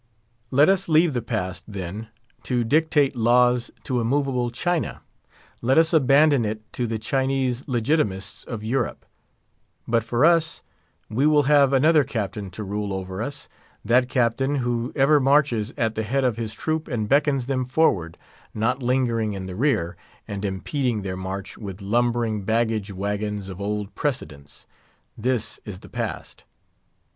Let us leave the Past, then, to dictate laws to immovable China; let us abandon it to the Chinese Legitimists of Europe. But for us, we will have another captain to rule over us—that captain who ever marches at the head of his troop and beckons them forward, not lingering in the rear, and impeding their march with lumbering baggage wagons of old precedents. This is the Past.